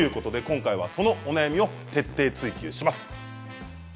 そのお悩みを徹底追求します。